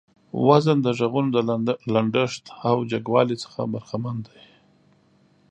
وزن د غږونو د لنډښت او جګوالي څخه برخمن دى.